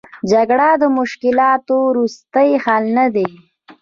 جګړه د مشکلاتو وروستۍ حل نه دی.